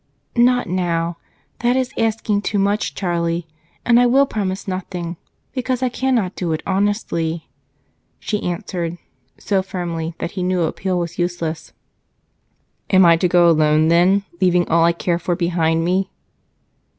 "Not now that is asking too much, Charlie, and I will promise nothing, because I cannot do it honestly," she answered, so firmly that he knew appeal was useless. "Am I to go alone, then, leaving all I care for behind me?"